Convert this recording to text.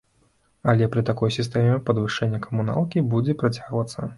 Але пры такой сістэме падвышэнне камуналкі будзе працягвацца.